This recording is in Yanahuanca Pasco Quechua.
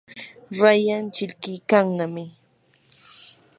rayan chilqikannami.